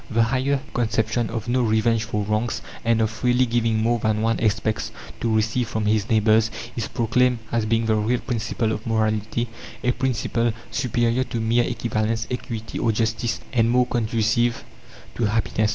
The higher conception of "no revenge for wrongs," and of freely giving more than one expects to receive from his neighbours, is proclaimed as being the real principle of morality a principle superior to mere equivalence, equity, or justice, and more conducive to happiness.